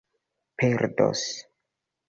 perdos